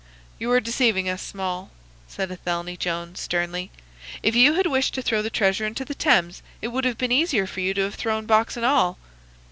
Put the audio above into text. "You are deceiving us, Small," said Athelney Jones, sternly. "If you had wished to throw the treasure into the Thames it would have been easier for you to have thrown box and all."